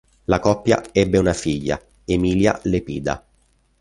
La coppia ebbe una figlia, Emilia Lepida.